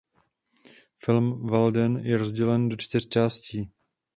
Film "Walden" je rozdělen do čtyř částí.